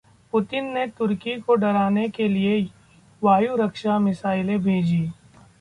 Putin ने तुर्की को डराने के लिए वायु रक्षा मिसाइलें भेजी